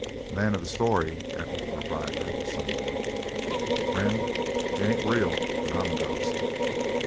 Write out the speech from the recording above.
"Man of the story?" echoed the proprietor, with some warmth. "Friend, if he ain't real, then I'm a ghost.